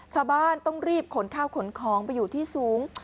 ชาวบ้านต้องรีบขนข้าวขนของไปอยู่ที่สูง